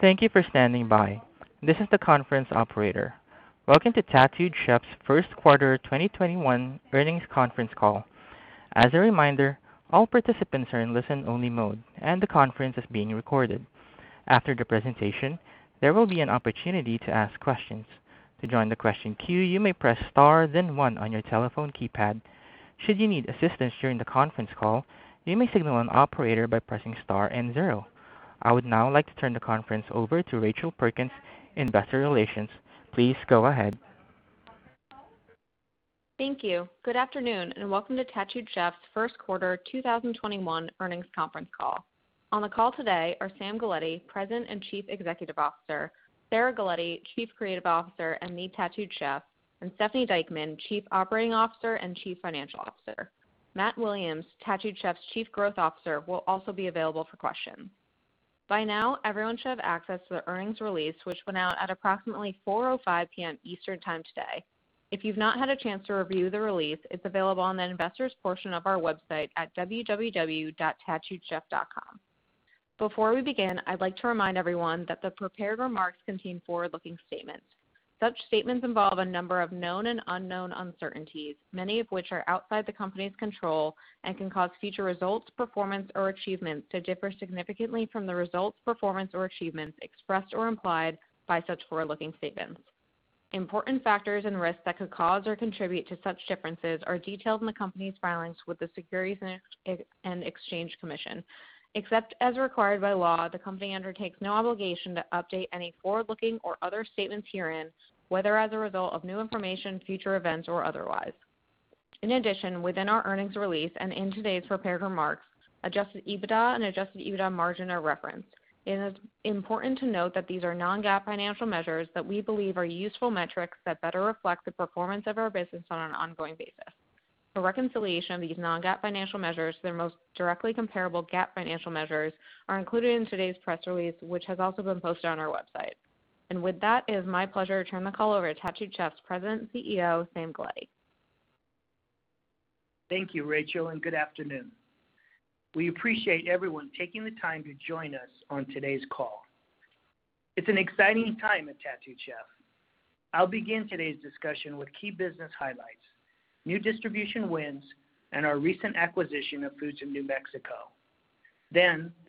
Thank you for standing by. This is the conference operator. Welcome to Tattooed Chef's first quarter 2021 earnings conference call. As a reminder, all participants are in listen-only mode and the conference is being recorded. After the presentation, there will be an opportunity to ask questions. To join the question queue, you may press star, then one on your telephone keypad. Should you need assistance during the conference call, you may signal an operator by pressing star and zero. I would now like to turn the conference over to Rachel Perkins, Investor Relations. Please go ahead. Thank you. Good afternoon and welcome to Tattooed Chef's first quarter 2021 earnings conference call. On the call today are Sam Galletti, President and Chief Executive Officer, Sarah Galletti, Chief Creative Officer and Lead Tattooed Chef, and Stephanie Dieckmann, Chief Operating Officer and Chief Financial Officer. Matt Williams, Tattooed Chef's Chief Growth Officer, will also be available for questions. By now, everyone should have access to the earnings release, which went out at approximately 4:05 P.M. Eastern Time today. If you've not had a chance to review the release, it's available on the Investors portion of our website at www.tattooedchef.com. Before we begin, I'd like to remind everyone that the prepared remarks contain forward-looking statements. Such statements involve a number of known and unknown uncertainties, many of which are outside the company's control and can cause future results, performance, or achievements to differ significantly from the results, performance, or achievements expressed or implied by such forward-looking statements. Important factors and risks that could cause or contribute to such differences are detailed in the company's filings with the Securities and Exchange Commission. Except as required by law, the company undertakes no obligation to update any forward-looking or other statements herein, whether as a result of new information, future events, or otherwise. Within our earnings release and in today's prepared remarks, adjusted EBITDA and adjusted EBITDA margin are referenced. It is important to note that these are non-GAAP financial measures that we believe are useful metrics that better reflect the performance of our business on an ongoing basis. A reconciliation of these non-GAAP financial measures to their most directly comparable GAAP financial measures are included in today's press release, which has also been posted on our website. With that, it is my pleasure to turn the call over to Tattooed Chef's President and CEO, Sam Galletti. Thank you, Rachel, and good afternoon. We appreciate everyone taking the time to join us on today's call. It's an exciting time at Tattooed Chef. I'll begin today's discussion with key business highlights, new distribution wins, and our recent acquisition of Foods of New Mexico.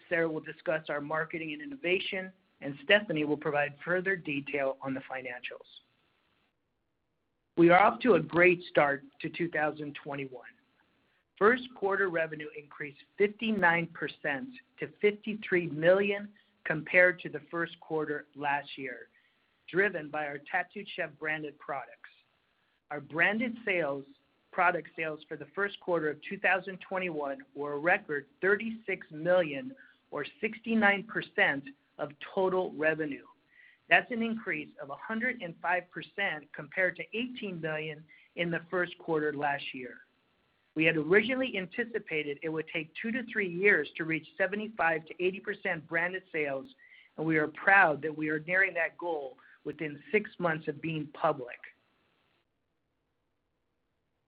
Sarah will discuss our marketing and innovation, and Stephanie will provide further detail on the financials. We are off to a great start to 2021. First quarter revenue increased 59% to $53 million compared to the first quarter last year, driven by our Tattooed Chef branded products. Our branded product sales for the first quarter of 2021 were a record $36 million or 69% of total revenue. That's an increase of 105% compared to $18 million in the first quarter last year. We had originally anticipated it would take two to three years to reach 75%-80% branded sales. We are proud that we are nearing that goal within six months of being public.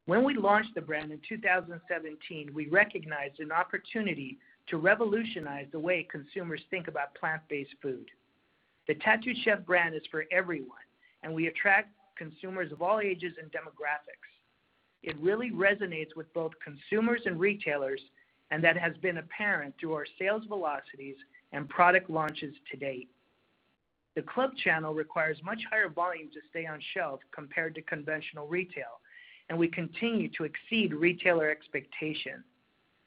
When we launched the brand in 2017, we recognized an opportunity to revolutionize the way consumers think about plant-based food. The Tattooed Chef brand is for everyone. We attract consumers of all ages and demographics. It really resonates with both consumers and retailers. That has been apparent through our sales velocities and product launches to date. The club channel requires much higher volume to stay on shelf compared to conventional retail. We continue to exceed retailer expectations.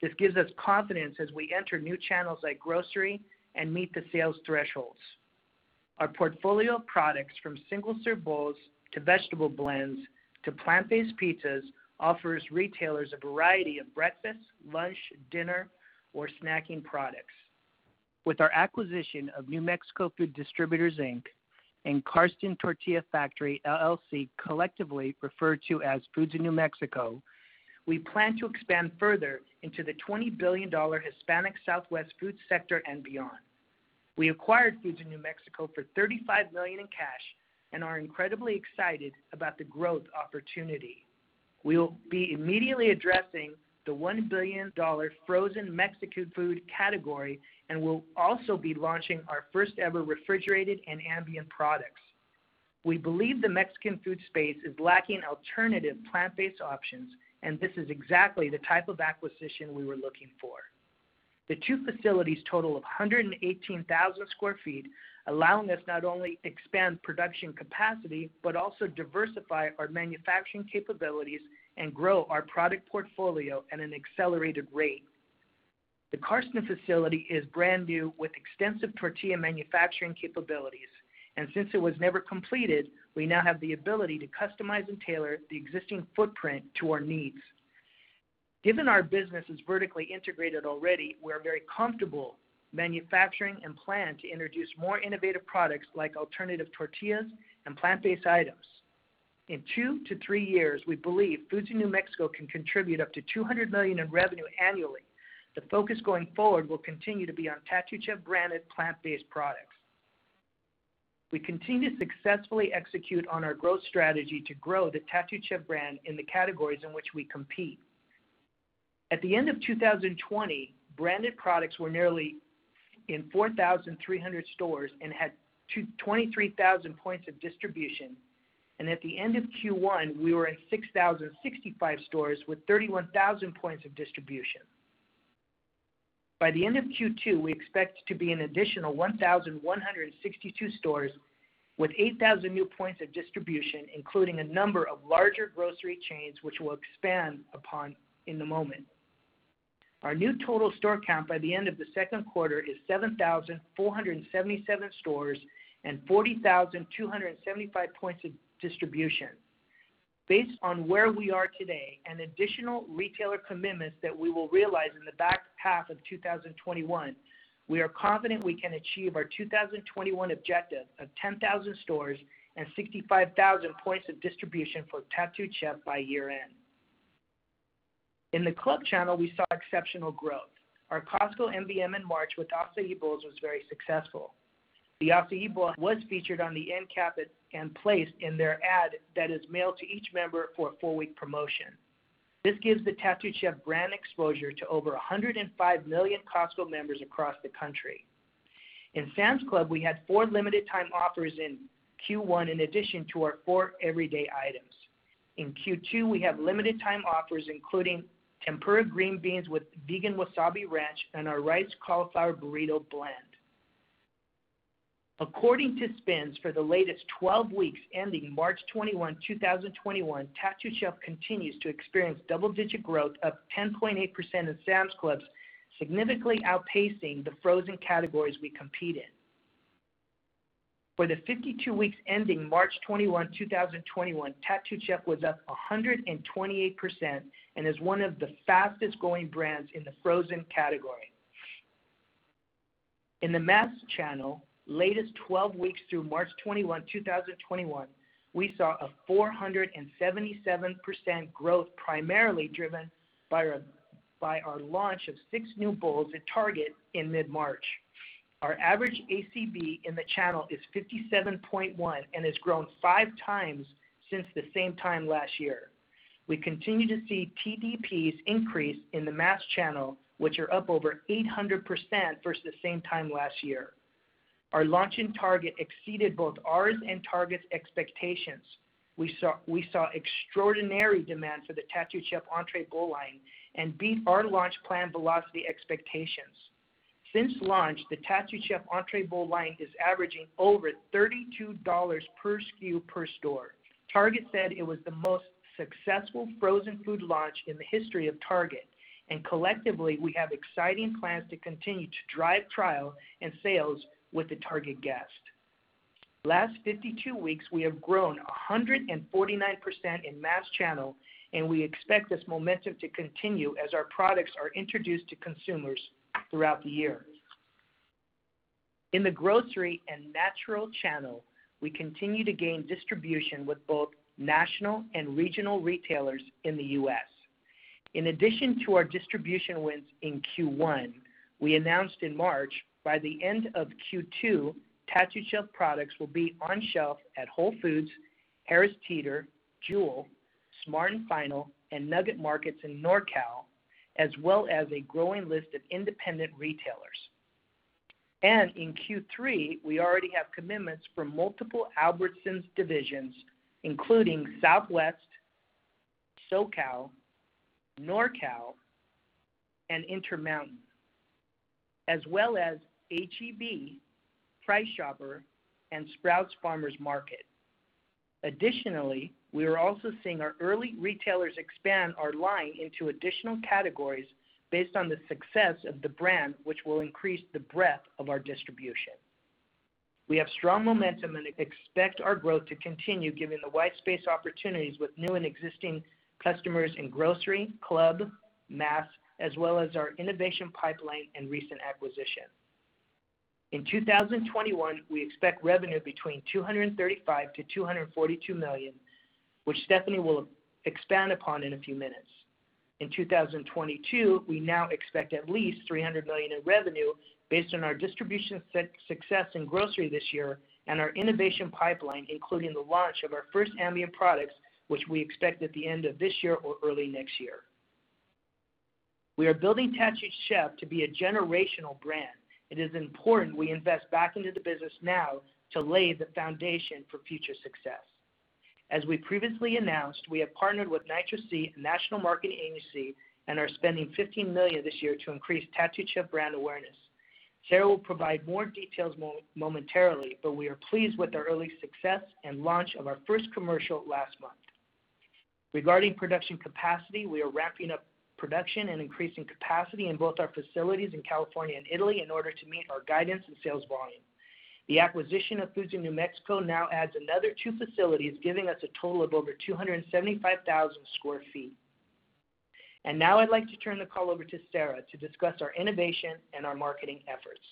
This gives us confidence as we enter new channels like grocery and meet the sales thresholds. Our portfolio of products, from single-serve bowls to vegetable blends to plant-based pizzas, offers retailers a variety of breakfast, lunch, dinner, or snacking products. With our acquisition of New Mexico Food Distributors, Inc. and Karsten Tortilla Factory, LLC, collectively referred to as Foods of New Mexico, we plan to expand further into the $20 billion Hispanic Southwest food sector and beyond. We acquired Foods of New Mexico for $35 million in cash and are incredibly excited about the growth opportunity. We will be immediately addressing the $1 billion frozen Mexican food category, and we'll also be launching our first ever refrigerated and ambient products. We believe the Mexican food space is lacking alternative plant-based options, and this is exactly the type of acquisition we were looking for. The two facilities total 118,000 sq ft, allowing us not only expand production capacity, but also diversify our manufacturing capabilities and grow our product portfolio at an accelerated rate. Since it was never completed, the Karsten facility is brand new with extensive tortilla manufacturing capabilities, we now have the ability to customize and tailor the existing footprint to our needs. Given our business is vertically integrated already, we are very comfortable manufacturing and plan to introduce more innovative products like alternative tortillas and plant-based items. In two to three years, we believe Foods of New Mexico can contribute up to $200 million in revenue annually. The focus going forward will continue to be on Tattooed Chef branded plant-based products. We continue to successfully execute on our growth strategy to grow the Tattooed Chef brand in the categories in which we compete. At the end of 2020, branded products were nearly in 4,300 stores and had 23,000 points of distribution. At the end of Q1, we were in 6,065 stores with 31,000 points of distribution. By the end of Q2, we expect to be in an additional 1,162 stores with 8,000 new points of distribution, including a number of larger grocery chains, which we'll expand upon in a moment. Our new total store count by the end of the second quarter is 7,477 stores and 40,275 points of distribution. Based on where we are today and additional retailer commitments that we will realize in the back half of 2021, we are confident we can achieve our 2021 objective of 10,000 stores and 65,000 points of distribution for Tattooed Chef by year-end. In the club channel, we saw exceptional growth. Our Costco MVM in March with Açaí Bowls was very successful. The Açaí Bowl was featured on the endcap and placed in their ad that is mailed to each member for a four-week promotion. This gives the Tattooed Chef brand exposure to over 105 million Costco members across the country. In Sam's Club, we had four limited time offers in Q1 in addition to our four everyday items. In Q2, we have limited time offers, including Tempura Green Beans with Vegan Wasabi Ranch and our Riced Cauliflower Burrito Blend. According to SPINS, for the latest 12 weeks ending March 21, 2021, Tattooed Chef continues to experience double-digit growth of 10.8% in Sam's Club, significantly outpacing the frozen categories we compete in. For the 52 weeks ending March 21, 2021, Tattooed Chef was up 128% and is one of the fastest-growing brands in the frozen category. In the mass channel, latest 12 weeks through March 21, 2021, we saw a 477% growth, primarily driven by our launch of six new bowls at Target in mid-March. Our average ACV in the channel is 57.1 and has grown five times since the same time last year. We continue to see TDPs increase in the mass channel, which are up over 800% versus the same time last year. Our launch in Target exceeded both ours and Target's expectations. We saw extraordinary demand for the Tattooed Chef entree bowl line and beat our launch plan velocity expectations. Since launch, the Tattooed Chef entree bowl line is averaging over $32 per SKU, per store. Target said it was the most successful frozen food launch in the history of Target, and collectively, we have exciting plans to continue to drive trial and sales with the Target guest. Last 52 weeks, we have grown 149% in mass channel. We expect this momentum to continue as our products are introduced to consumers throughout the year. In the grocery and natural channel, we continue to gain distribution with both national and regional retailers in the U.S. In addition to our distribution wins in Q1, we announced in March, by the end of Q2, Tattooed Chef products will be on shelf at Whole Foods, Harris Teeter, Jewel, Smart & Final, and Nugget Markets in NorCal, as well as a growing list of independent retailers. In Q3, we already have commitments from multiple Albertsons divisions, including Southwest, SoCal, NorCal, and Intermountain, as well as H-E-B, Price Chopper, and Sprouts Farmers Market. Additionally, we are also seeing our early retailers expand our line into additional categories based on the success of the brand, which will increase the breadth of our distribution. We have strong momentum and expect our growth to continue given the white space opportunities with new and existing customers in grocery, club, mass, as well as our innovation pipeline and recent acquisition. In 2021, we expect revenue between $235 million-$242 million, which Stephanie will expand upon in a few minutes. In 2022, we now expect at least $300 million in revenue based on our distribution success in grocery this year and our innovation pipeline, including the launch of our first ambient products, which we expect at the end of this year or early next year. We are building Tattooed Chef to be a generational brand. It is important we invest back into the business now to lay the foundation for future success. As we previously announced, we have partnered with NitroC, a national marketing agency, and are spending $15 million this year to increase Tattooed Chef brand awareness. Sarah will provide more details momentarily, but we are pleased with our early success and launch of our first commercial last month. Regarding production capacity, we are ramping up production and increasing capacity in both our facilities in California and Italy in order to meet our guidance and sales volume. The acquisition of Foods of New Mexico now adds another two facilities, giving us a total of over 275,000 sq ft. Now I'd like to turn the call over to Sarah to discuss our innovation and our marketing efforts.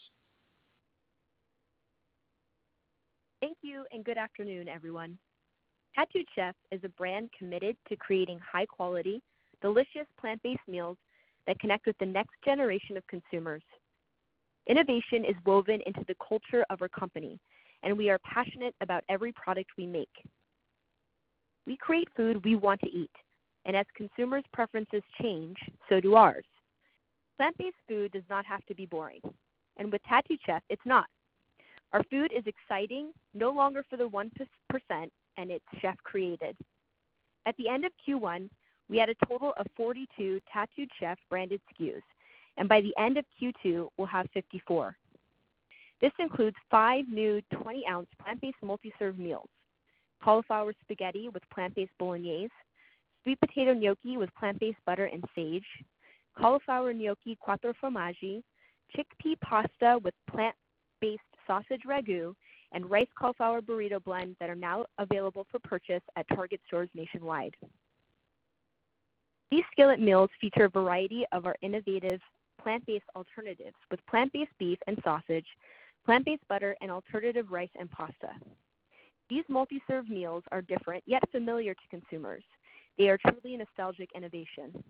Thank you, and good afternoon, everyone. Tattooed Chef is a brand committed to creating high quality, delicious plant-based meals that connect with the next generation of consumers. Innovation is woven into the culture of our company, and we are passionate about every product we make. We create food we want to eat, and as consumers' preferences change, so do ours. Plant-based food does not have to be boring, and with Tattooed Chef, it's not. Our food is exciting, no longer for the 1%, and it's chef created. At the end of Q1, we had a total of 42 Tattooed Chef branded SKUs, and by the end of Q2, we'll have 54. This includes five new 20-oz plant-based multi-serve meals, Cauliflower Spaghetti with Plant-Based Bolognese, Sweet Potato Gnocchi with Plant-Based Butter & Sage, Cauliflower Gnocchi Quattro Formaggi, Chickpea Pasta with Plant-Based Sausage Ragu, and Riced Cauliflower Burrito Blends that are now available for purchase at Target stores nationwide. These skillet meals feature a variety of our innovative plant-based alternatives with plant-based beef and sausage, plant-based butter, and alternative rice and pasta. These multi-serve meals are different yet familiar to consumers. They are truly a nostalgic innovation.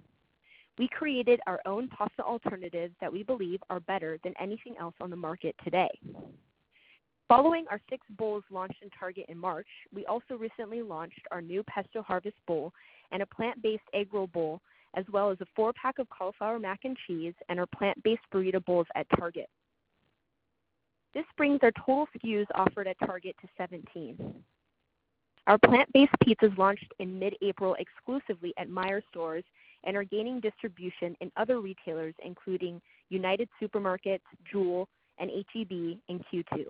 We created our own pasta alternatives that we believe are better than anything else on the market today. Following our six bowls launched in Target in March, we also recently launched our new Pesto Harvest Bowl and a Plant Based Egg Roll Bowl, as well as a four-pack of Cauliflower Mac & Cheese and our Plant Based Burrito Bowls at Target. This brings our total SKUs offered at Target to 17. Our plant-based pizzas launched in mid-April exclusively at Meijer stores and are gaining distribution in other retailers, including United Supermarkets, Jewel, and H-E-B in Q2.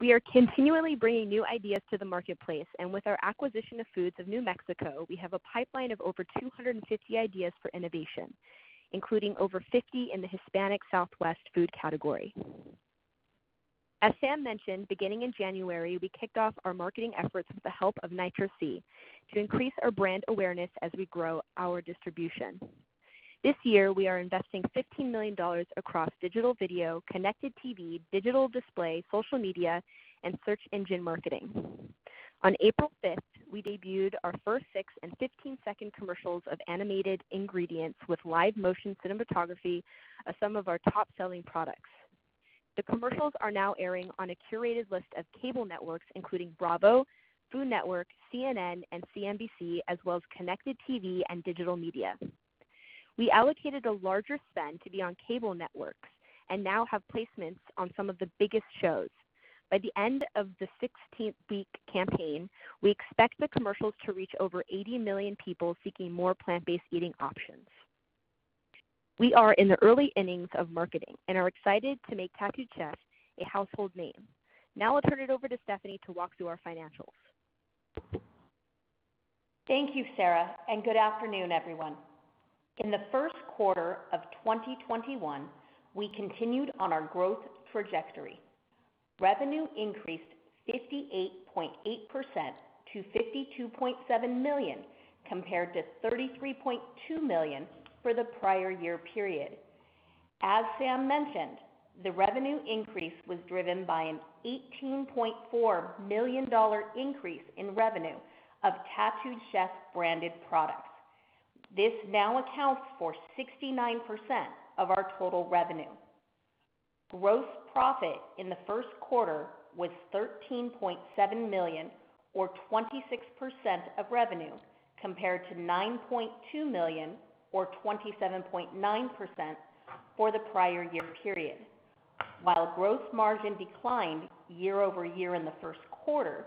We are continually bringing new ideas to the marketplace. With our acquisition of Foods of New Mexico, we have a pipeline of over 250 ideas for innovation, including over 50 in the Hispanic Southwest food category. As Sam mentioned, beginning in January, we kicked off our marketing efforts with the help of NitroC to increase our brand awareness as we grow our distribution. This year, we are investing $15 million across digital video, connected TV, digital display, social media, and search engine marketing. On April 5th, we debuted our first six and 15-second commercials of animated ingredients with live motion cinematography of some of our top-selling products. The commercials are now airing on a curated list of cable networks, including Bravo, Food Network, CNN, and CNBC, as well as connected TV and digital media. We allocated a larger spend to be on cable networks and now have placements on some of the biggest shows. By the end of the 16-week campaign, we expect the commercials to reach over 80 million people seeking more plant-based eating options. We are in the early innings of marketing and are excited to make Tattooed Chef a household name. I'll turn it over to Stephanie to walk through our financials. Thank you, Sarah, and good afternoon, everyone. In the first quarter of 2021, we continued on our growth trajectory. Revenue increased 58.8% to $52.7 million, compared to $33.2 million for the prior year period. As Sam mentioned, the revenue increase was driven by an $18.4 million increase in revenue of Tattooed Chef branded products. This now accounts for 69% of our total revenue. Gross profit in the first quarter was $13.7 million or 26% of revenue, compared to $9.2 million or 27.9% for the prior year period. While gross margin declined year over year in the first quarter,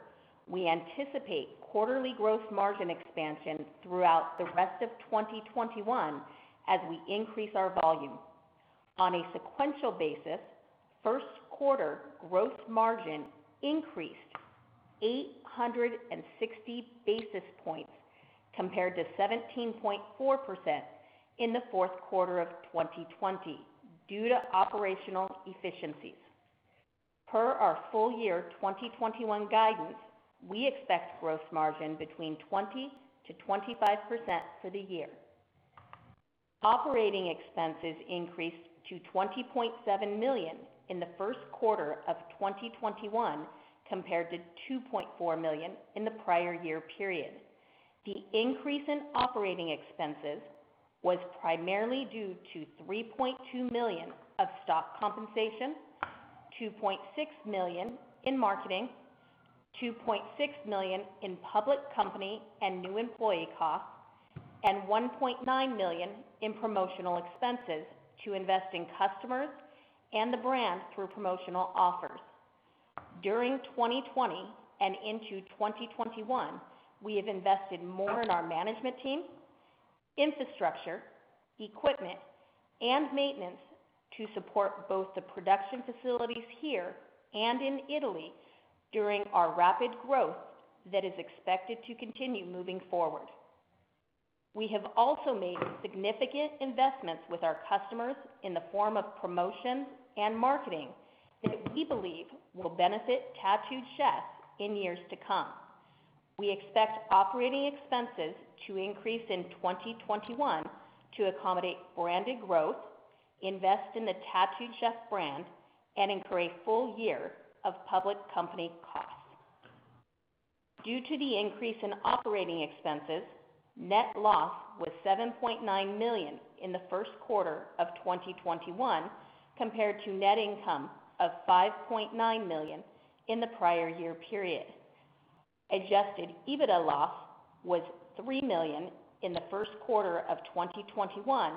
we anticipate quarterly growth margin expansion throughout the rest of 2021 as we increase our volume. On a sequential basis, first quarter growth margin increased 860 basis points compared to 17.4% in the fourth quarter of 2020 due to operational efficiencies. Per our full year 2021 guidance, we expect gross margin between 20%-25% for the year. Operating expenses increased to $20.7 million in the first quarter of 2021, compared to $2.4 million in the prior year period. The increase in operating expenses was primarily due to $3.2 million of stock compensation, $2.6 million in marketing, $2.6 million in public company and new employee costs, and $1.9 million in promotional expenses to invest in customers and the brand through promotional offers. During 2020 and into 2021, we have invested more in our management team, infrastructure, equipment, and maintenance to support both the production facilities here and in Italy during our rapid growth that is expected to continue moving forward. We have also made significant investments with our customers in the form of promotions and marketing that we believe will benefit Tattooed Chef in years to come. We expect operating expenses to increase in 2021 to accommodate branded growth, invest in the Tattooed Chef brand and incur a full year of public company costs. Due to the increase in operating expenses, net loss was $7.9 million in the first quarter of 2021 compared to net income of $5.9 million in the prior year period. Adjusted EBITDA loss was $3 million in the first quarter of 2021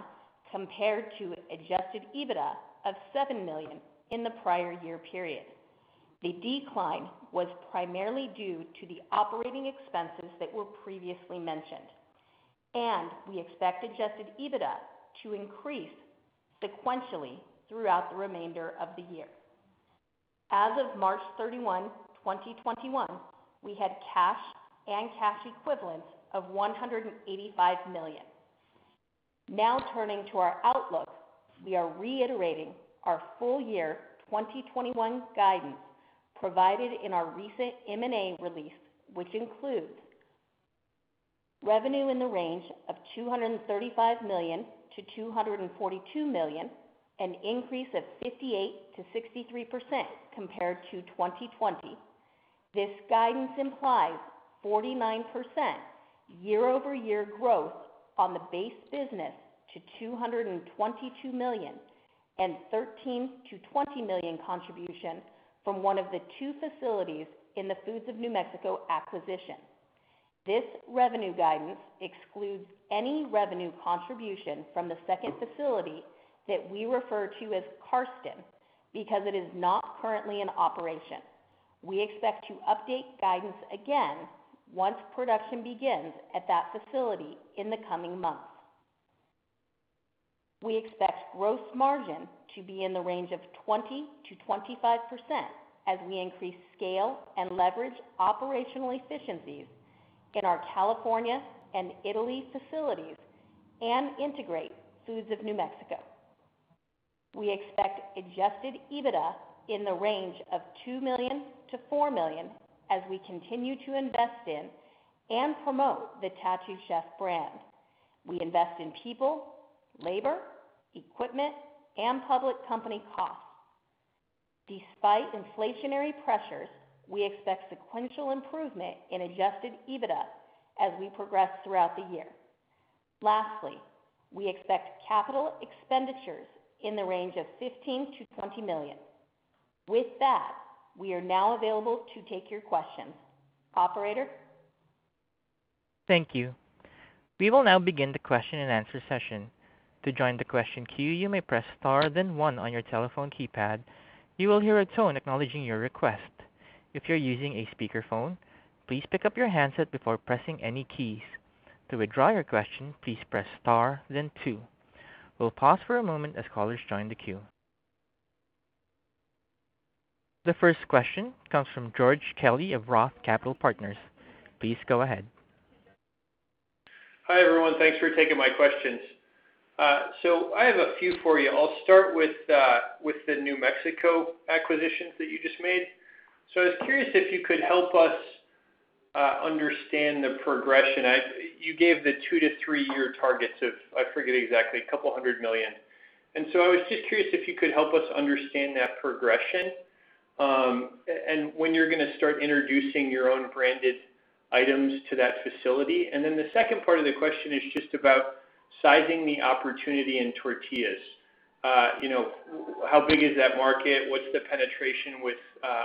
compared to adjusted EBITDA of $7 million in the prior year period. The decline was primarily due to the operating expenses that were previously mentioned. We expect adjusted EBITDA to increase sequentially throughout the remainder of the year. As of March 31, 2021, we had cash and cash equivalents of $185 million. Turning to our outlook. We are reiterating our full year 2021 guidance provided in our recent M&A release, which includes revenue in the range of $235 million-$242 million, an increase of 58%-63% compared to 2020. This guidance implies 49% year-over-year growth on the base business to $222 million and $13 million-$20 million contribution from one of the two facilities in the Foods of New Mexico acquisition. This revenue guidance excludes any revenue contribution from the second facility that we refer to as Karsten because it is not currently in operation. We expect to update guidance again once production begins at that facility in the coming months. We expect gross margin to be in the range of 20%-25% as we increase scale and leverage operational efficiencies in our California and Italy facilities and integrate Foods of New Mexico. We expect adjusted EBITDA in the range of $2 million-$4 million as we continue to invest in and promote the Tattooed Chef brand. We invest in people, labor, equipment, and public company costs. Despite inflationary pressures, we expect sequential improvement in adjusted EBITDA as we progress throughout the year. Lastly, we expect capital expenditures in the range of $15 million-$20 million. With that, we are now available to take your questions. Operator? Thank you. We will now begin the question-and-answer session. To join the question queue, you may press star then one on your telephone keypad. You will hear a tone acknowledging your request. If you're using a speakerphone, please pick up your handset before pressing any keys. To withdraw your question, please press star then two. We will pause for a moment as callers join the queue. The first question comes from George Kelly of Roth Capital Partners. Please go ahead. Hi, everyone. Thanks for taking my questions. I have a few for you. I'll start with the New Mexico acquisitions that you just made. I was curious if you could help us understand the progression. You gave the two to three year targets of, I forget exactly, a couple hundred million. I was just curious if you could help us understand that progression, and when you're going to start introducing your own branded items to that facility. The second part of the question is just about sizing the opportunity in tortillas. How big is that market? What's the penetration with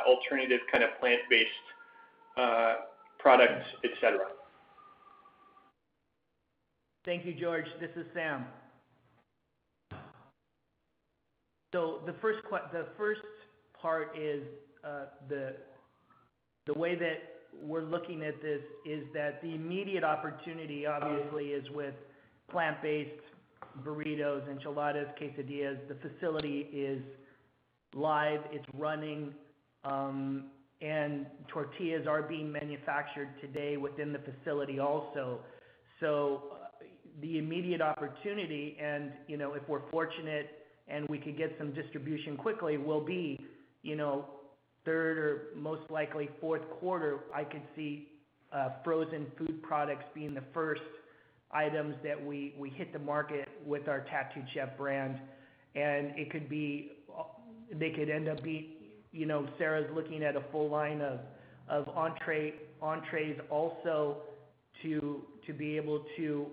alternative kind of plant-based products, et cetera? Thank you, George. This is Sam. The first part is, the way that we're looking at this is that the immediate opportunity obviously is with plant-based burritos, enchiladas, quesadillas. The facility is live, it's running, and tortillas are being manufactured today within the facility also. The immediate opportunity and, if we're fortunate and we could get some distribution quickly, will be third or most likely fourth quarter, I could see frozen food products being the first items that we hit the market with our Tattooed Chef brand. They could end up being Sarah's looking at a full line of entrees also to be able to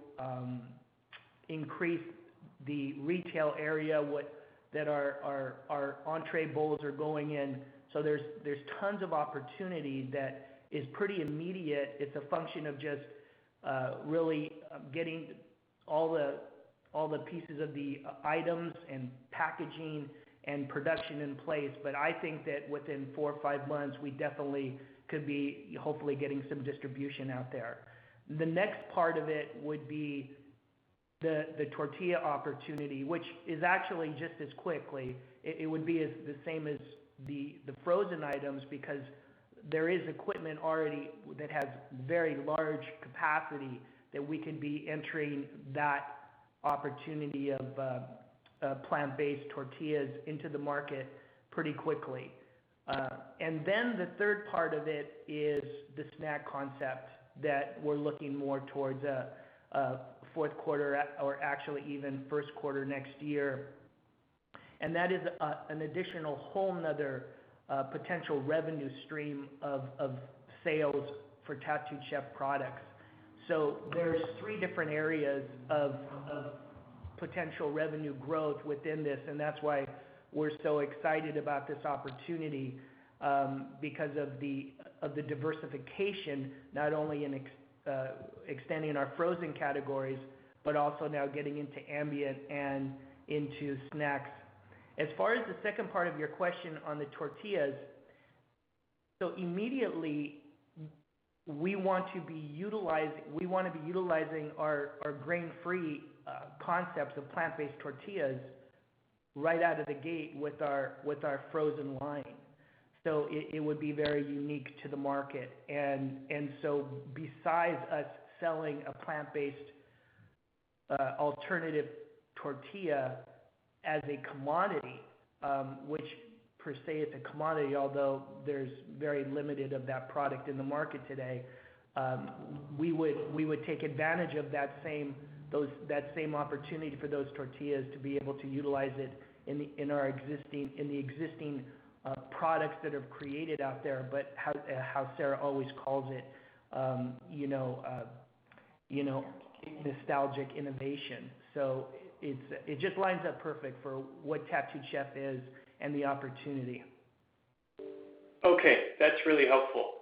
increase the retail area that our entree bowls are going in. There's tons of opportunity that is pretty immediate. It's a function of just really getting all the pieces of the items and packaging and production in place. I think that within four or five months, we definitely could be, hopefully getting some distribution out there. The next part of it would be the tortilla opportunity, which is actually just as quickly. It would be the same as the frozen items because there is equipment already that has very large capacity that we could be entering that opportunity of plant-based tortillas into the market pretty quickly. The third part of it is the snack concept that we're looking more towards a fourth quarter or actually even first quarter next year. That is an additional whole other potential revenue stream of sales for Tattooed Chef products. There's three different areas of potential revenue growth within this, and that's why we're so excited about this opportunity, because of the diversification, not only in extending our frozen categories, but also now getting into ambient and into snacks. As far as the second part of your question on the tortillas, immediately we want to be utilizing our grain-free concepts of plant-based tortillas right out of the gate with our frozen line. It would be very unique to the market. Besides us selling a plant-based alternative tortilla as a commodity, which per se is a commodity, although there's very limited of that product in the market today, we would take advantage of that same opportunity for those tortillas to be able to utilize it in the existing products that are created out there. How Sarah always calls it, nostalgic innovation. It just lines up perfect for what Tattooed Chef is and the opportunity. Okay, that's really helpful.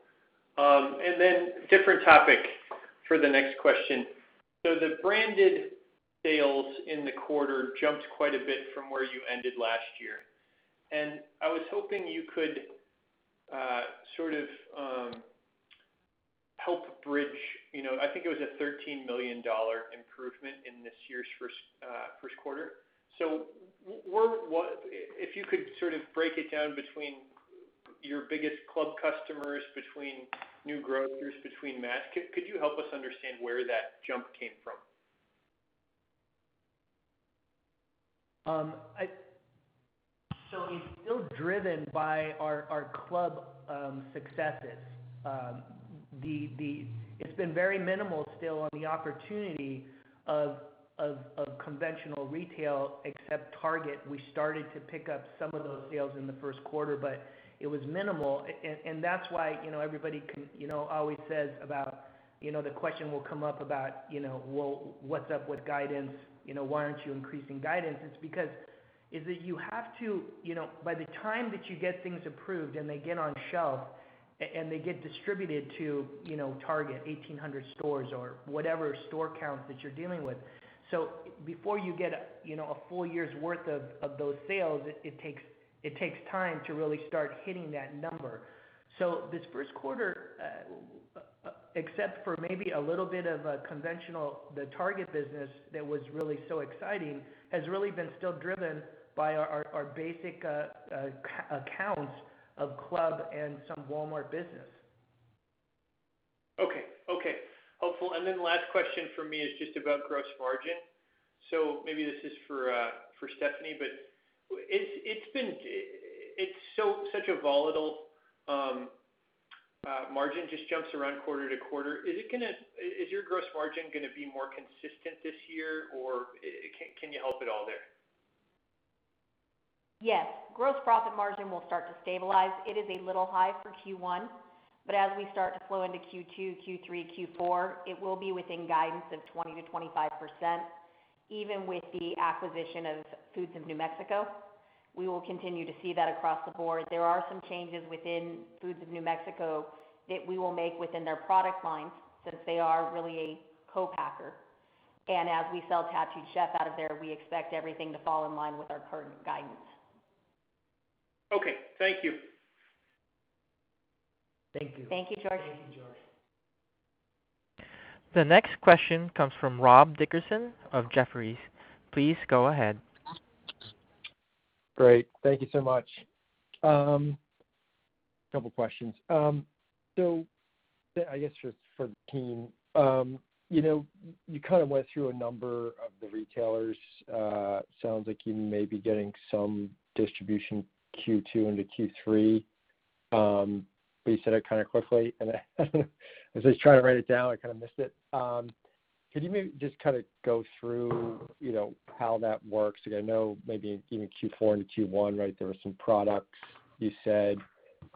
Different topic for the next question. The branded sales in the quarter jumped quite a bit from where you ended last year, and I was hoping you could sort of help bridge, I think it was a $13 million improvement in this year's first quarter. If you could sort of break it down between your biggest club customers, between new grocers, between mass. Could you help us understand where that jump came from? It's still driven by our club successes. It's been very minimal still on the opportunity of conventional retail except Target. We started to pick up some of those sales in the first quarter, but it was minimal. That's why everybody always says about, the question will come up about, "Well, what's up with guidance? Why aren't you increasing guidance?" It's because by the time that you get things approved and they get on shelf and they get distributed to Target, 1,800 stores or whatever store counts that you're dealing with. Before you get a full year's worth of those sales, it takes time to really start hitting that number. This first quarter, except for maybe a little bit of a conventional, the Target business that was really so exciting, has really been still driven by our basic accounts of club and some Walmart business. Okay. Helpful. Last question from me is just about gross margin. Maybe this is for Stephanie, but it's such a volatile margin, just jumps around quarter to quarter. Is your gross margin going to be more consistent this year? Can you help at all there? Yes. Gross profit margin will start to stabilize. It is a little high for Q1. As we start to flow into Q2, Q3, Q4, it will be within guidance of 20%-25%, even with the acquisition of Foods of New Mexico. We will continue to see that across the board. There are some changes within Foods of New Mexico that we will make within their product lines, since they are really a co-packer. As we sell Tattooed Chef out of there, we expect everything to fall in line with our current guidance. Okay. Thank you. Thank you. Thank you, George. Thank you, George. The next question comes from Rob Dickerson of Jefferies. Please go ahead. Great. Thank you so much. Couple questions. I guess for the team. You kind of went through a number of the retailers. Sounds like you may be getting some distribution Q2 into Q3. You said it kind of quickly, and as I was trying to write it down, I kind of missed it. Could you maybe just kind of go through how that works? I know maybe even Q4 into Q1, right, there were some products you said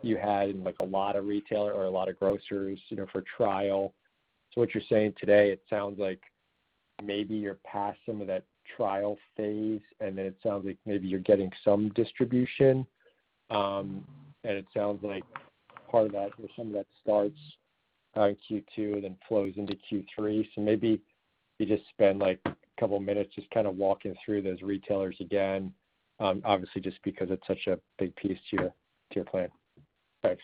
you had in a lot of retailer or a lot of grocers for trial. What you're saying today, it sounds like maybe you're past some of that trial phase, and then it sounds like maybe you're getting some distribution. It sounds like part of that or some of that starts in Q2, then flows into Q3. Maybe you just spend like a couple of minutes just kind of walking through those retailers again. Obviously, just because it's such a big piece to your plan. Thanks.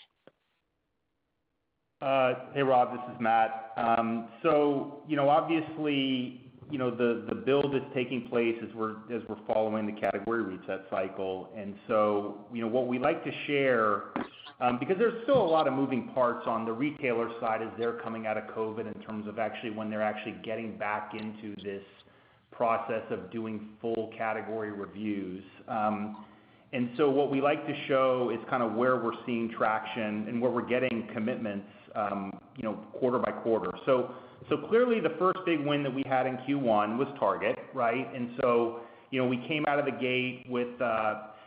Hey, Rob, this is Matt. Obviously, the build is taking place as we're following the category reset cycle. What we like to share, because there's still a lot of moving parts on the retailer side as they're coming out of COVID in terms of actually when they're actually getting back into this process of doing full category reviews. What we like to show is where we're seeing traction and where we're getting commitments quarter by quarter. Clearly, the first big win that we had in Q1 was Target, right? We came out of the gate with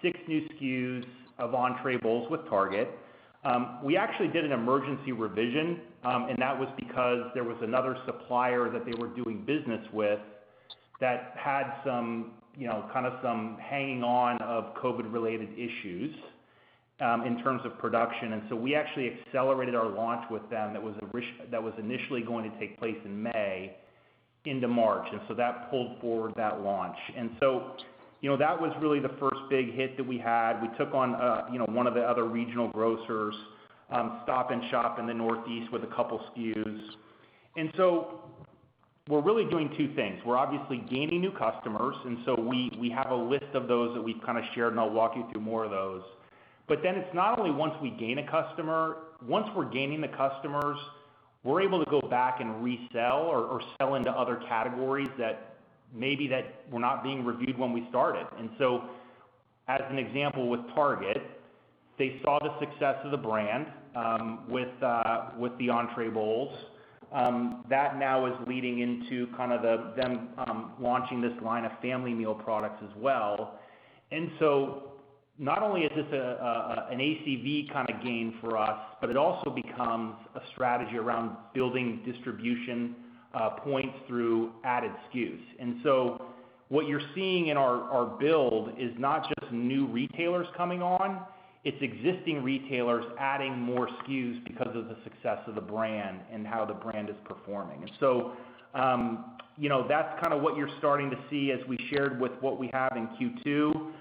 six new SKUs of entree bowls with Target. We actually did an emergency revision, and that was because there was another supplier that they were doing business with that had some hanging on of COVID related issues in terms of production. We actually accelerated our launch with them, that was initially going to take place in May, into March. That pulled forward that launch. That was really the first big hit that we had. We took on one of the other regional grocers, Stop & Shop in the Northeast, with a couple SKUs. We're really doing two things. We're obviously gaining new customers, and so we have a list of those that we've shared, and I'll walk you through more of those. It's not only once we gain a customer. Once we're gaining the customers, we're able to go back and resell or sell into other categories that maybe that were not being reviewed when we started. As an example with Target, they saw the success of the brand, with the entree bowls. That now is leading into them launching this line of family meal products as well. Not only is this an ACV kind of gain for us, but it also becomes a strategy around building distribution points through added SKUs. What you're seeing in our build is not just new retailers coming on, it's existing retailers adding more SKUs because of the success of the brand and how the brand is performing. That's what you're starting to see as we shared with what we have in Q2.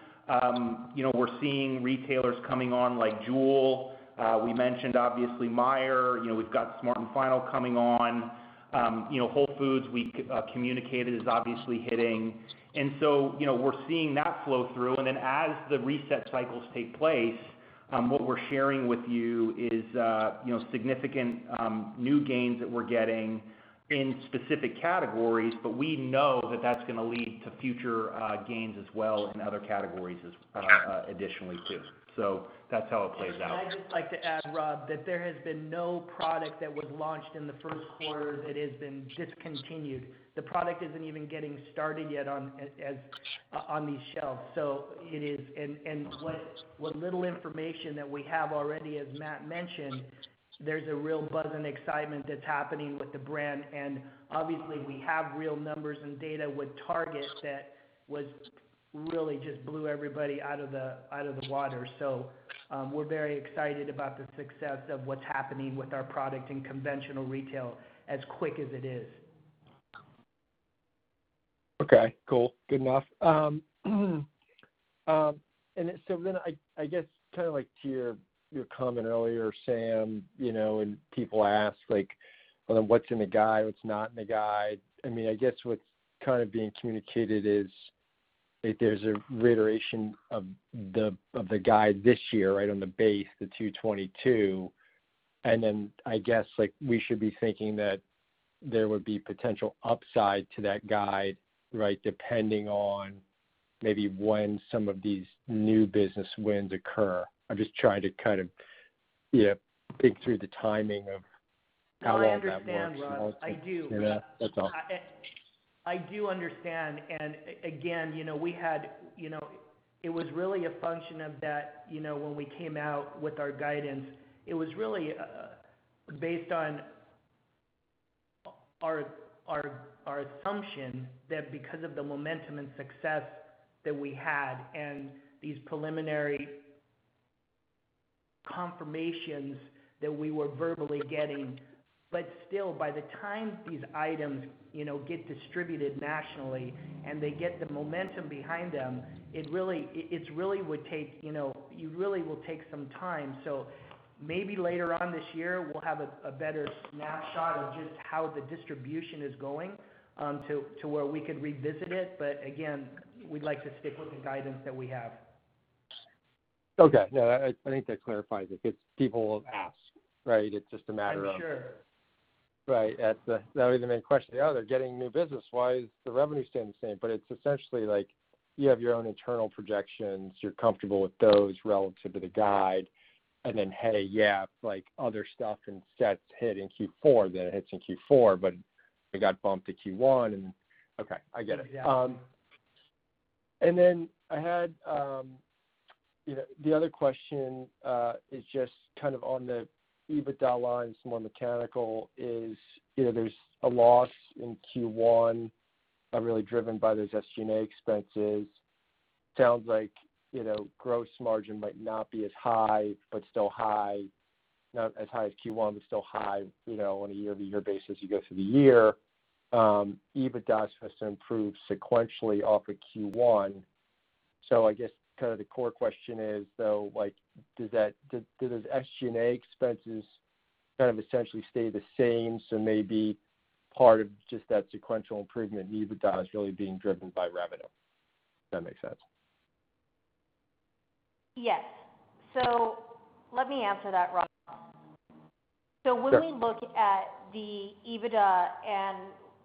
We're seeing retailers coming on like Jewel. We mentioned, obviously, Meijer. We've got Smart & Final coming on. Whole Foods, we communicated, is obviously hitting. We're seeing that flow through. As the reset cycles take place, what we're sharing with you is significant new gains that we're getting in specific categories. We know that's going to lead to future gains as well in other categories additionally too. That's how it plays out. I'd just like to add, Rob, that there has been no product that was launched in the first quarter that has been discontinued. The product isn't even getting started yet on these shelves. What little information that we have already, as Matt mentioned, there's a real buzz and excitement that's happening with the brand. Obviously, we have real numbers and data with Target that really just blew everybody out of the water. We're very excited about the success of what's happening with our product in conventional retail, as quick as it is. Okay. Cool. Good enough. To your comment earlier, Sam Galletti, when people ask, "What's in the guide? What's not in the guide?" What's being communicated is that there's a reiteration of the guide this year on the base, the 222. We should be thinking that there would be potential upside to that guide depending on maybe when some of these new business wins occur. I'm just trying to kind of pick through the timing of how long that works. I understand, Rob. I do. That's all. I do understand, again, it was really a function of that when we came out with our guidance. It was really based on our assumption that because of the momentum and success that we had and these preliminary confirmations that we were verbally getting. Still, by the time these items get distributed nationally and they get the momentum behind them, it really will take some time. Maybe later on this year, we'll have a better snapshot of just how the distribution is going, to where we could revisit it. Again, we'd like to stick with the guidance that we have. Okay. No, I think that clarifies it, because people will ask, right? I'm sure. Right. That would be the main question. They're getting new business. Why is the revenue staying the same? It's essentially like, you have your own internal projections. You're comfortable with those relative to the guide. Hey, yeah, other stuff and sets hit in Q4 than it hits in Q4, but it got bumped to Q1 and Okay, I get it. Yeah. The other question is just on the EBITDA line, it's more mechanical, is there's a loss in Q1, really driven by those SG&A expenses. Sounds like gross margin might not be as high, but still high. Not as high as Q1, but still high on a year-over-year basis as you go through the year. EBITDA has to improve sequentially off of Q1. I guess the core question is, though, do those SG&A expenses essentially stay the same? Maybe part of just that sequential improvement in EBITDA is really being driven by revenue. If that makes sense. Yes. Let me answer that, Rob. Sure. When we look at the EBITDA and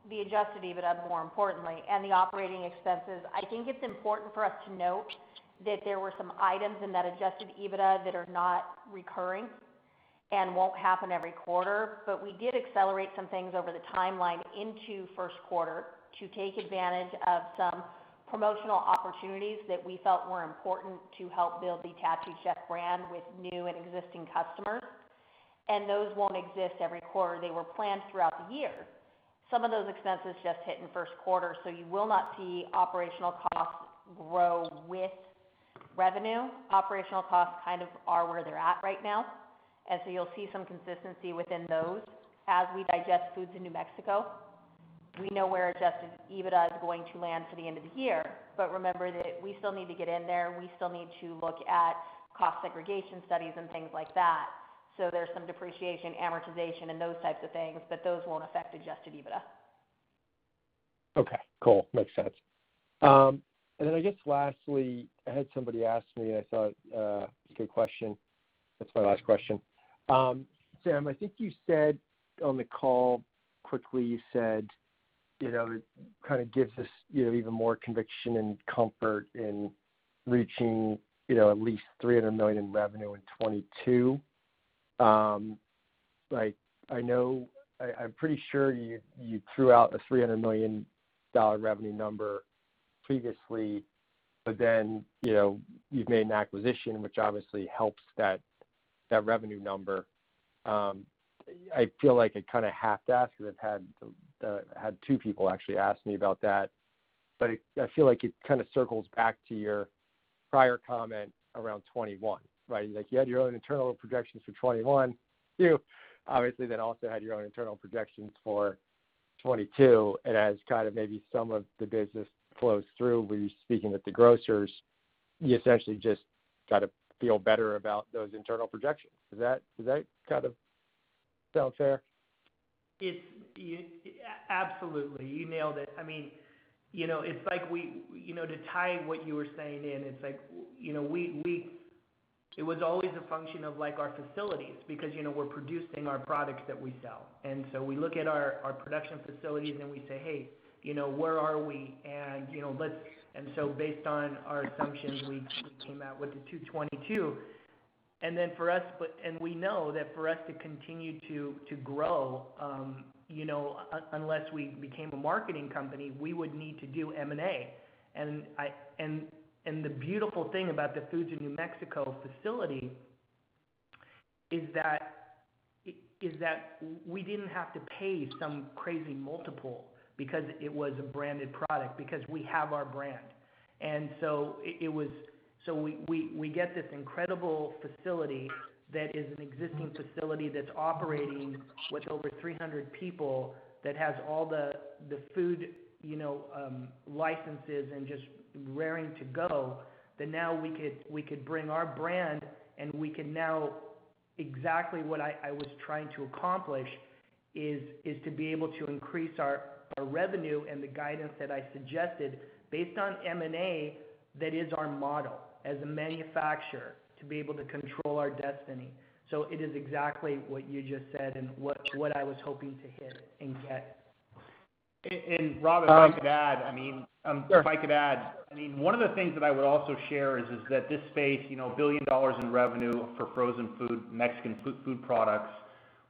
the adjusted EBITDA, more importantly, and the operating expenses, I think it's important for us to note that there were some items in that adjusted EBITDA that are not recurring and won't happen every quarter. We did accelerate some things over the timeline into first quarter to take advantage of some promotional opportunities that we felt were important to help build the Tattooed Chef brand with new and existing customers. Those won't exist every quarter. They were planned throughout the year. Some of those expenses just hit in first quarter, so you will not see operational costs grow with revenue. Operational costs kind of are where they're at right now. You'll see some consistency within those. As we digest Foods of New Mexico, we know where adjusted EBITDA is going to land for the end of the year. Remember that we still need to get in there. We still need to look at cost segregation studies and things like that. There's some depreciation, amortization, and those types of things, but those won't affect adjusted EBITDA. Okay, cool. Makes sense. I guess lastly, I had somebody ask me, I thought it was a good question. That's my last question. Sam, I think you said on the call, quickly you said, it kind of gives us even more conviction and comfort in reaching at least $300 million in revenue in 2022. I'm pretty sure you threw out a $300 million revenue number previously, but then you've made an acquisition which obviously helps that revenue number. I feel like I kind of have to ask because I've had two people actually ask me about that, but I feel like it kind of circles back to your prior comment around 2021, right? You had your own internal projections for 2021 too. Obviously, also had your own internal projections for 2022. As kind of maybe some of the business flows through, were you speaking with the grocers, you essentially just got to feel better about those internal projections? Does that kind of sound fair? Absolutely. You nailed it. To tie what you were saying in, it was always a function of our facilities because we're producing our products that we sell. We look at our production facilities, and we say, "Hey, where are we?" Based on our assumptions, we came out with the 222. We know that for us to continue to grow, unless we became a marketing company, we would need to do M&A. The beautiful thing about the Foods of New Mexico facility is that we didn't have to pay some crazy multiple because it was a branded product, because we have our brand. We get this incredible facility that is an existing facility that's operating with over 300 people, that has all the food licenses and just raring to go. Now we could bring our brand, and we can now, exactly what I was trying to accomplish, is to be able to increase our revenue and the guidance that I suggested based on M&A that is our model as a manufacturer, to be able to control our destiny. It is exactly what you just said and what I was hoping to hit and get. Rob, if I could add. Sure If I could add, one of the things that I would also share is that this space, $1 billion in revenue for frozen food, Mexican food products,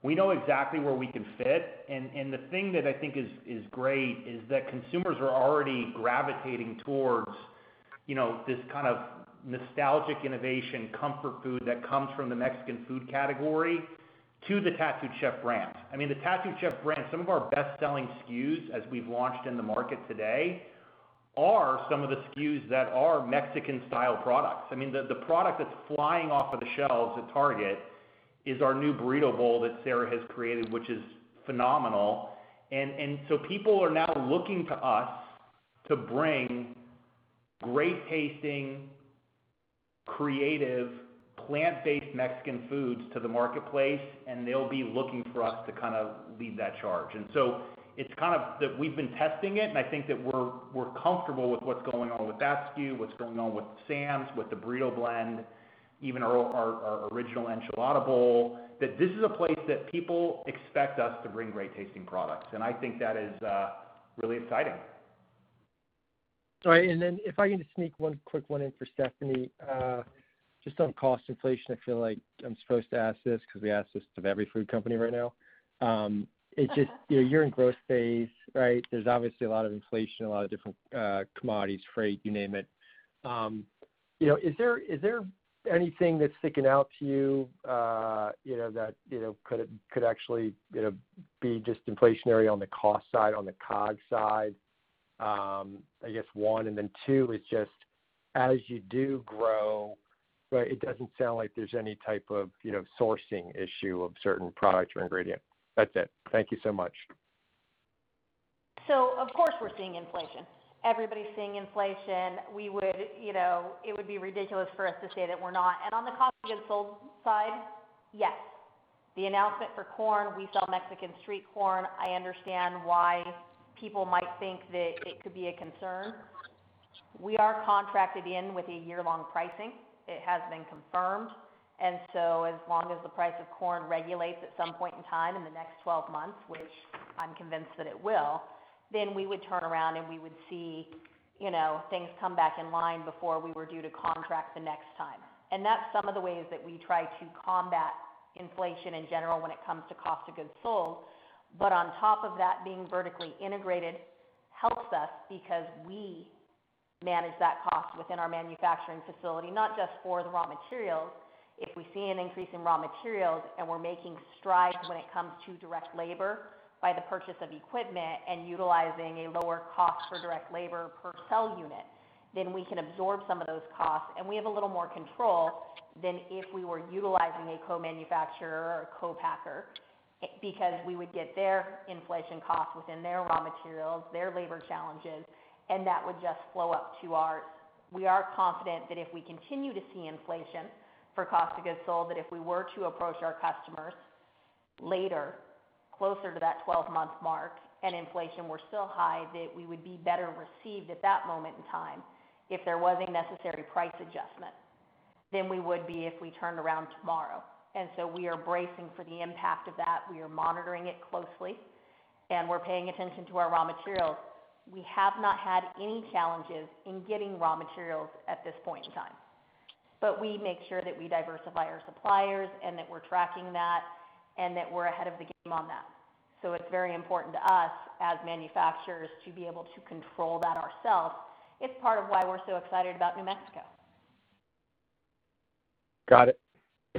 we know exactly where we can fit. The thing that I think is great is that consumers are already gravitating towards this kind of nostalgic innovation comfort food that comes from the Mexican food category to the Tattooed Chef brand. The Tattooed Chef brand, some of our best-selling SKUs as we've launched in the market today, are some of the SKUs that are Mexican-style products. The product that's flying off of the shelves at Target is our new burrito bowl that Sarah has created, which is phenomenal. People are now looking to us to bring great-tasting, creative, plant-based Mexican foods to the marketplace, and they'll be looking for us to kind of lead that charge. We've been testing it, and I think that we're comfortable with what's going on with that SKU, what's going on with Sam's, with the burrito blend, even our original enchilada bowl. This is a place that people expect us to bring great-tasting products. I think that is really exciting. All right. Then if I can just sneak one quick one in for Stephanie Dieckmann, just on cost inflation. I feel like I'm supposed to ask this because we ask this of every food company right now. You're in growth phase, right? There's obviously a lot of inflation, a lot of different commodities, freight, you name it. Is there anything that's sticking out to you that could actually be just inflationary on the cost side, on the COGS side? I guess, one. Then two is just as you do grow, it doesn't sound like there's any type of sourcing issue of certain products or ingredients. That's it. Thank you so much. Of course, we're seeing inflation. Everybody's seeing inflation. It would be ridiculous for us to say that we're not. On the Cost of Goods Sold side, yes. The announcement for corn, we sell Mexican Street Corn. I understand why people might think that it could be a concern. We are contracted in with a year-long pricing. It has been confirmed. As long as the price of corn regulates at some point in time in the next 12 months, which I'm convinced that it will, then we would turn around and we would see things come back in line before we were due to contract the next time. That's some of the ways that we try to combat inflation in general when it comes to Cost of Goods Sold. On top of that, being vertically integrated helps us because we manage that cost within our manufacturing facility, not just for the raw materials. If we see an increase in raw materials and we're making strides when it comes to direct labor by the purchase of equipment and utilizing a lower cost for direct labor per sell unit, then we can absorb some of those costs. We have a little more control than if we were utilizing a co-manufacturer or co-packer, because we would get their inflation cost within their raw materials, their labor challenges, and that would just flow up to ours. We are confident that if we continue to see inflation for cost of goods sold, that if we were to approach our customers later, closer to that 12-month mark, and inflation were still high, that we would be better received at that moment in time if there was a necessary price adjustment than we would be if we turned around tomorrow. We are bracing for the impact of that. We are monitoring it closely, and we're paying attention to our raw materials. We have not had any challenges in getting raw materials at this point in time. We make sure that we diversify our suppliers and that we're tracking that and that we're ahead of the game on that. It's very important to us as manufacturers to be able to control that ourselves. It's part of why we're so excited about New Mexico. Got it.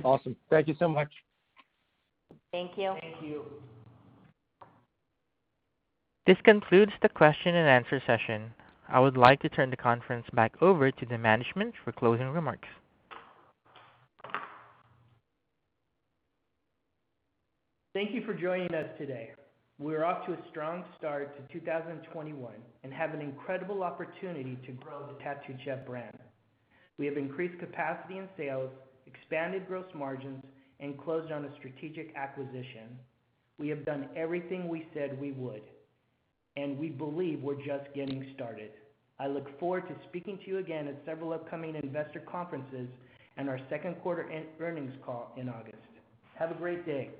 Awesome. Thank you so much. Thank you. Thank you. This concludes the question-and-answer session. I would like to turn the conference back over to the management for closing remarks. Thank you for joining us today. We're off to a strong start to 2021 and have an incredible opportunity to grow the Tattooed Chef brand. We have increased capacity and sales, expanded gross margins, and closed on a strategic acquisition. We have done everything we said we would, and we believe we're just getting started. I look forward to speaking to you again at several upcoming investor conferences and our second quarter earnings call in August. Have a great day.